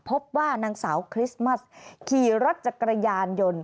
พบว่านางสาวคริสต์มัสขี่รถจักรยานยนต์